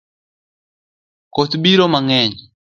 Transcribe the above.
Koth biro mangeny